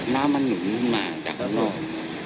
น้ำมันหมุนมาจากข้างนอก